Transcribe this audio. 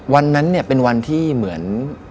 วันนั้นเป็นวันที่เหมือน